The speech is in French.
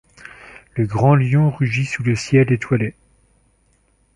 Le grand lion rugit sous le ciel étoilé !